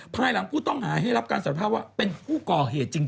ภายหลังผู้ต้องหาให้รับการสารภาพว่าเป็นผู้ก่อเหตุจริง